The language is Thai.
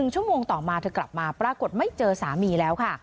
ชั่วโมงต่อมาเธอกลับมาปรากฏไม่เจอสามีแล้วค่ะ